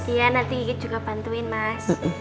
iya nanti gigit juga bantuin mas